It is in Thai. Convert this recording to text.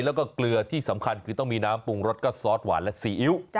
แล้วก็เกลือที่สำคัญคือต้องมีน้ำปรุงรสก็ซอสหวานและซีอิ๊ว